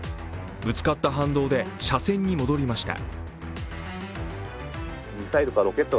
ぶつかった反動で車線に戻りました。